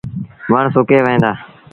وڻ سُڪي وهيݩ دآ۔